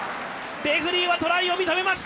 レフリーはトライを認めました！